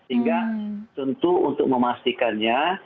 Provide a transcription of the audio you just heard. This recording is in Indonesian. sehingga tentu untuk memastikannya